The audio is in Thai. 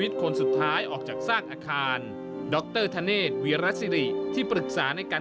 เวลา๕วันก็มารอทุกวัน